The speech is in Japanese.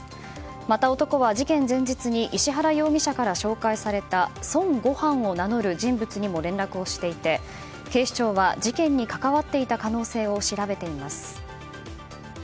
また、男は事件前日に石原容疑者から紹介された孫悟飯を名乗る人物にも連絡をしていて警視庁は事件に関わっていた可能性を調べています。